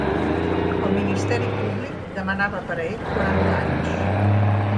El ministeri públic demanava per a ell quaranta anys.